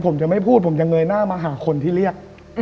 ผมจะไม่พูดผมจะเงยหน้ามาหาคนที่เรียก